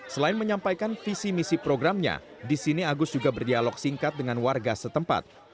selain menyampaikan visi misi programnya di sini agus juga berdialog singkat dengan warga setempat